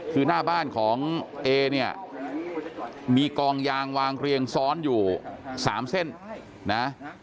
คือหน้าบ้านของเอเนี่ยมีกองยางวางเรียงซ้อนอยู่๓เส้นนะ